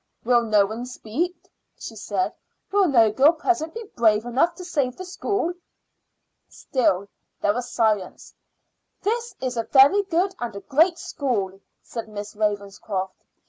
"Will no one speak?" she said. "Will no girl present be brave enough to save the school?" Still there was silence. "This is a very good and a great school," said Miss Ravenscroft.